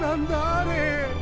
あれ。